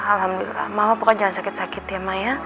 alhamdulillah mama pokoknya jangan sakit sakit ya mak ya